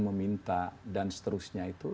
meminta dan seterusnya itu